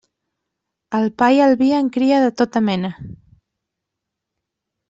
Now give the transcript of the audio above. El pa i el vi en cria de tota mena.